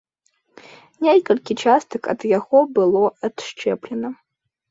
Некалькі частак ад яго было адшчэплена.